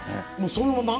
そのまま。